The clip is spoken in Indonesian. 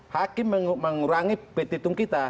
hakim mengurangi petitung kita